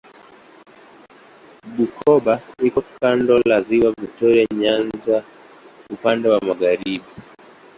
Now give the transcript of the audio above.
Bukoba iko kando la Ziwa Viktoria Nyanza upande wa magharibi.